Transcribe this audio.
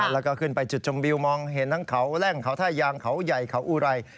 แล้วก็ขึ้นไปจุดชมวิวมองเห็นทั้งเขาแล่งเขาท่ายางเขาใหญ่เขาอุไร